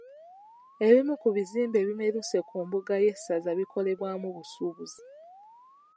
Ebimu ku bizimbe ebimeruse ku mbuga y’essaza bikolerwamu busuubuzi.